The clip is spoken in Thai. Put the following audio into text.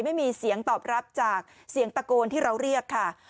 ไม่มีเสียงตอบรับจากเสียงตะโกนที่เราเรียกค่ะ